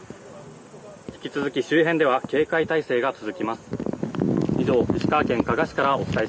引き続き周辺では警戒態勢が続きます。